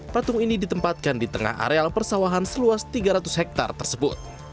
patung ini ditempatkan di tengah areal persawahan seluas tiga ratus hektare tersebut